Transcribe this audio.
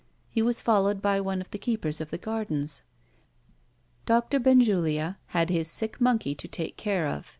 He was followed by one of the keepers of the gardens. Doctor Benjulia had his sick monkey to take care of.